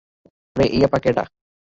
আরে এই আপা কেডা?